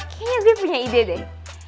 kayaknya saya punya ide deh